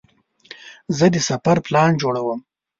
زه د سفر پلان جوړوم.